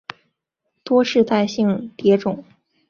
多世代性蝶种。